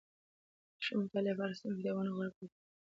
د ښه مطالعې لپاره سم کتابونه غوره کول پکار دي.